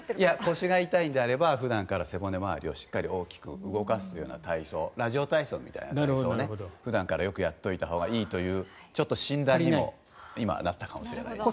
腰が痛いのであれば普段から背骨周りを動かすという体操ラジオ体操みたいな体操を普段からよくやっておいたほうがいいという診断にもなったかもしれないですね。